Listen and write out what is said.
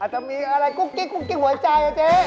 จะมีอะไรกุ๊กกิ๊กกุ๊กกิ๊กหัวใจนะเจ๊